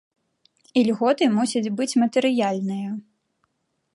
Ільготы мусяць быць матэрыяльныя.